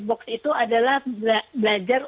box itu adalah belajar